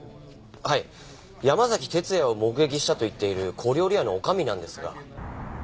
はい山崎哲也を目撃したと言っている小料理屋の女将なんですが。